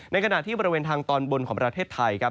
ขณะที่บริเวณทางตอนบนของประเทศไทยครับ